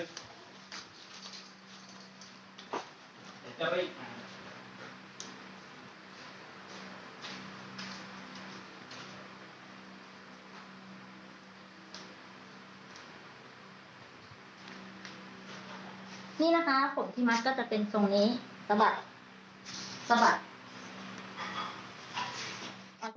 นี่นะคะผลที่มัดก็จะเป็นทรงนี้สะบัดสะบัด